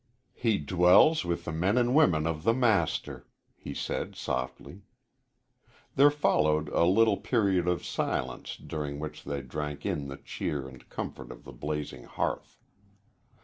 "He dwells with the men and women of the master," he said, softly. There followed a little period of silence, during which they drank in the cheer and comfort of the blazing hearth.